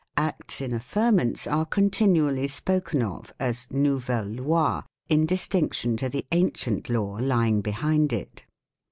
Acts in affirm ance are continually spoken of as "novel ley" in dis tinction to the ancient law lying behind it.